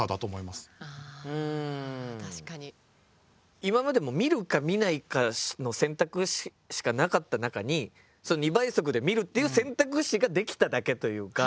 今までも見るか見ないかの選択しかなかった中に２倍速で見るっていう選択肢ができただけというか。